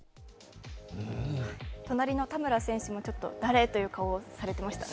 隣の田村選手も、ちょっと誰？という顔をされていましたね。